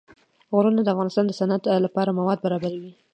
غرونه د افغانستان د صنعت لپاره مواد برابروي.